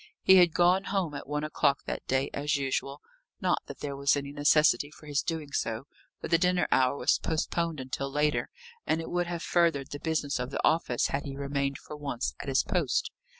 He had gone home at one o'clock that day, as usual. Not that there was any necessity for his doing so, for the dinner hour was postponed until later, and it would have furthered the business of the office had he remained for once at his post.